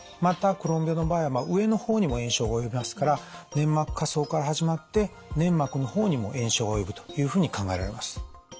またクローン病の場合は上の方にも炎症が及びますから粘膜下層から始まって粘膜の方にも炎症が及ぶというふうに考えられます。